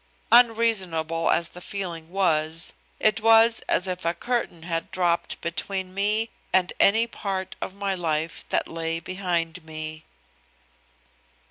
Unreasonable as the feeling was, it was as if a curtain had dropped between me and any part of my life that lay behind me.